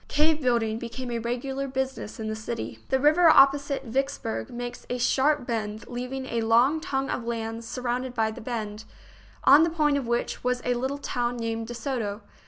Cave building became a regular busi ness in the city. The river opposite Vicksburg makes a sharp bend, leaving a long tongue of land surrounded by the bend, on the point of which was a little town named De Soto.